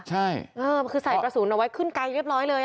ใช่คือใส่กระสุนเอาไว้ขึ้นไกลเรียบร้อยเลย